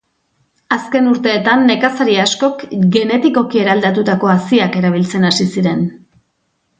Azken urteetan, nekazari askok genetikoki eraldatutako haziak erabiltzen hasi ziren.